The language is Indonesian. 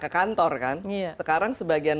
ke kantor kan sekarang sebagian